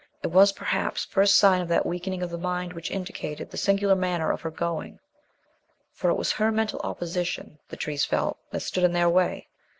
It was, perhaps, first sign of that weakening of the mind which indicated the singular manner of her going. For it was her mental opposition, the trees felt, that stood in their way.